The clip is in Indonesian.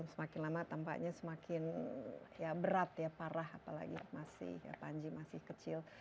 semakin lama tampaknya semakin ya berat ya parah apalagi masih panji masih kecil